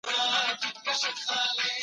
واکمنانو ويل چي د ټولني اداره کول ډېر مهم دي.